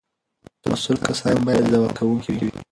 مسؤل کسان باید ځواب ورکوونکي وي.